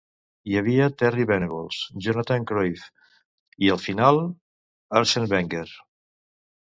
Hi havia Terry Venables, Jonathan Cruyff i, al final, Arsène Wenger.